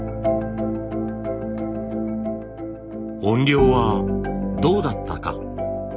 音量はどうだったか。